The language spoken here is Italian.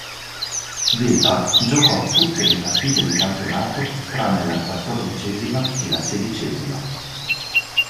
Deva giocò tutte le partite di campionato tranne la quattordicesima e la sedicesima.